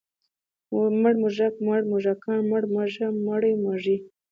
مړ موږک، مړه موږکان، مړه مږه، مړې مږې.